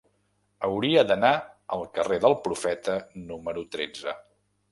Hauria d'anar al carrer del Profeta número tretze.